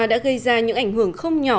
đã gây ra những ảnh hưởng không nhỏ